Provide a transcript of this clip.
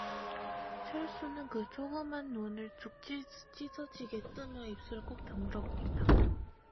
철수는 그 조그만 눈을 쭉 찢어지게 뜨며 입술을 꾹 다물어 보인다.